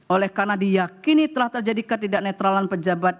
oleh karena diyakini telah terjadi ketidak netralan pejabat